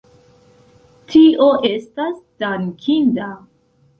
Tio estas dankinda.